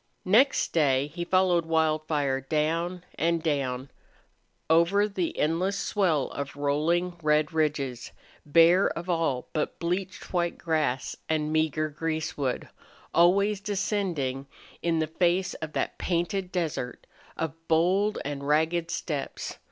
Next day he followed Wildfire down and down, over the endless swell of rolling red ridges, bare of all but bleached white grass and meager greasewood, always descending in the face of that painted desert of bold and ragged steppes.